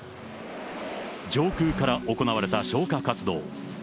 上空から行われた消火活動。